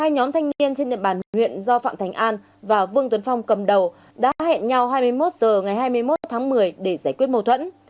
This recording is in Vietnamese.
hai nhóm thanh niên trên địa bàn huyện do phạm thành an và vương tuấn phong cầm đầu đã hẹn nhau hai mươi một h ngày hai mươi một tháng một mươi để giải quyết mâu thuẫn